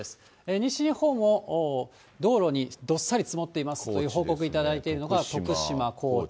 西日本も道路にどっさり積もっていますという報告頂いているのが、徳島、高知。